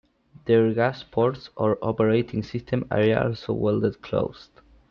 Their gas ports or operating system are also welded closed.